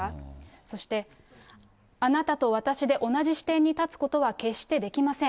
そして、あなたと私で同じ視点に立つことは決してできません。